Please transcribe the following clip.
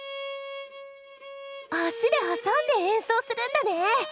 脚で挟んで演奏するんだね！